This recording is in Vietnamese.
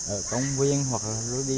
ở công viên hoặc là lối đi